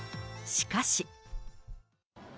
しかし。